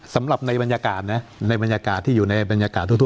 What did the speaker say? สำหรับในบรรยากาศนะในบรรยากาศที่อยู่ในบรรยากาศทั่ว